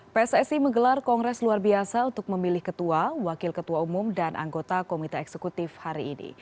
pssi menggelar kongres luar biasa untuk memilih ketua wakil ketua umum dan anggota komite eksekutif hari ini